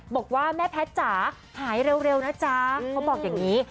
บอกว่าแม่แพทย์จ๋าหายเร็วนะจ๊ะเขาบอกอย่างนี้